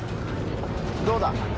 どうだ？